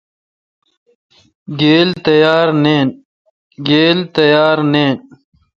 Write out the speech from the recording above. گیل تیار نین۔